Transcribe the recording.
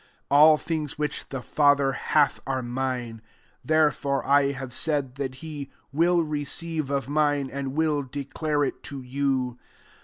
15 AU things which the Father hath are mine :* therefore, I have said, that he will receive of mine, and will declare it to you.